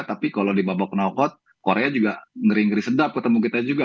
tapi kalau di babak knowkot korea juga ngeri ngeri sedap ketemu kita juga